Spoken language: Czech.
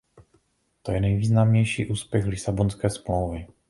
To je nejvýznamnější úspěch Lisabonské smlouvy.